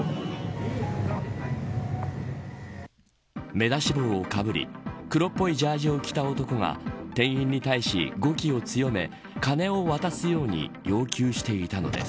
目出し帽をかぶり黒っぽいジャージを着た男が店員に対し語気を強め金を渡すように要求していたのです。